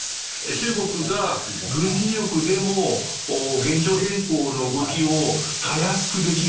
中国が軍事力でも現状変更の動きをたやすくできる。